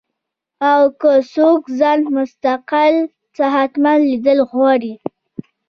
او کۀ څوک ځان مستقل صحتمند ليدل غواړي